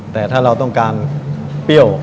แต่ถ้าเราต้องการเปรี้ยว